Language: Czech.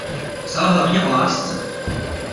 Psal hlavně o lásce.